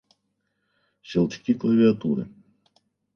Щелчки клавиатуры